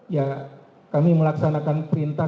ya kami melaksanakan perintah